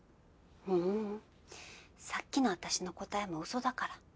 ううんさっきの私の答えも嘘だから。